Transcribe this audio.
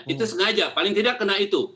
itu sengaja paling tidak kena itu